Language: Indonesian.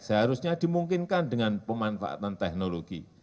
seharusnya dimungkinkan dengan pemanfaatan teknologi